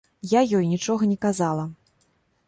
Я ёй нічога не казала.